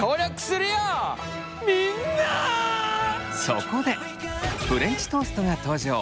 そこでフレンチトーストが登場。